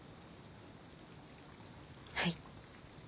はい。